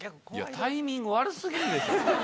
タイミング悪過ぎるでしょ。